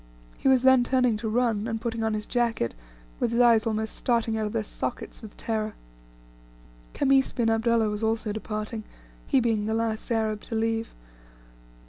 He was then turning to run, and putting on his jacket, with his eyes almost starting out of their sockets with terror. Khamis bin Abdullah was also about departing, he being the last Arab to leave.